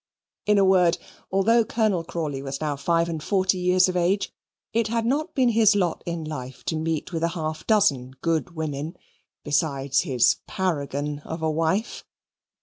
In a word, although Colonel Crawley was now five and forty years of age, it had not been his lot in life to meet with a half dozen good women, besides his paragon of a wife.